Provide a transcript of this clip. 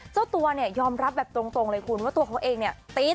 เจ้าตัวเนี่ยยอมรับแบบตรงเลยคุณว่าตัวเขาเองเนี่ยตี๊ด